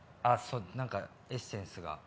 あっなんかエッセンスが？